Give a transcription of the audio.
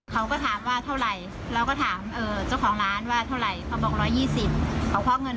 เป็นกับข้าวอาจารย์๑๒๐บาทผมว่าก็ไม่แพงมากนะสำหรับร้านอาหารทะเลซีฟู้ดแบบนี้นะ